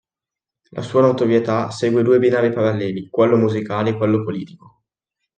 La sua notorietà segue due binari paralleli: quello musicale e quello politico.